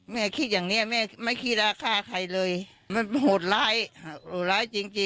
แม่คิดอย่างเนี้ยแม่ไม่คิดว่าฆ่าใครเลยมันโหดร้ายโหดร้ายจริงจริง